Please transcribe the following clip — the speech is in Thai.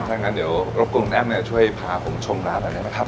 ถ้างั้นเดี๋ยวรบกลุ่มแอ้มช่วยผ่าผงชมร้านแบบนี้นะครับ